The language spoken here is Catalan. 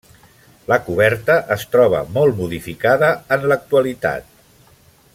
La coberta es troba molt modificada en l'actualitat.